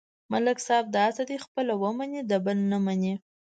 ملک صاحب داسې دی: خپله ومني، د بل نه مني.